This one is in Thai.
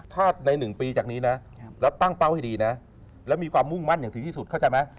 ถ้าใน๑ปีจากนี้นะเราตั้งเป้าให้ดีนะแล้วมีความมุ่งมั่นอย่างถึงที่สุดเข้าใจไหม